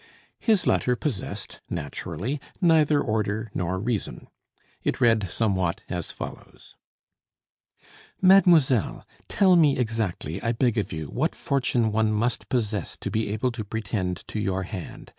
His letter possessed, naturally, neither order nor reason. It read somewhat as follows: "Mademoiselle, Tell me exactly, I beg of you, what fortune one must possess to be able to pretend to your hand.